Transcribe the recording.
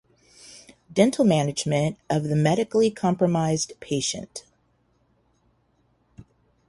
Dental Management of the Medically Compromised Patient.